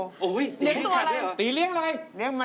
โอ้โฮตีเลี้ยงตัวอะไรตีเลี้ยงอะไร